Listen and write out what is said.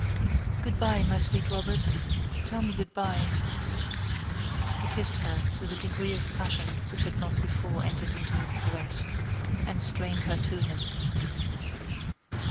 "Good by, my sweet Robert. Tell me good by." He kissed her with a degree of passion which had not before entered into his caress, and strained her to him.